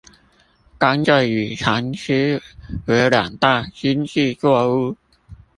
甘蔗與蠶絲為兩大經濟作物